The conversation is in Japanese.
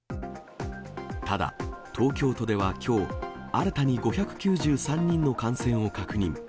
ただ、東京都ではきょう、新たに５９３人の感染を確認。